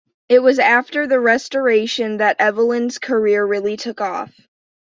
It was after the Restoration that Evelyn's career really took off.